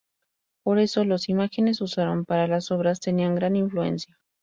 Por eso, los imágenes usaron para las obras tenían gran influencia.